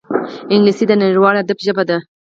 انګلیسي د نړیوال ادب ژبه ده